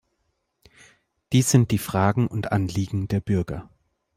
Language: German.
Dies sind die Fragen und Anliegen der Bürger.